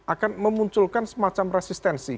akan memunculkan semacam resistensi